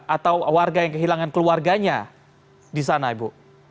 atau warga yang kehilangan keluarganya di sana ibu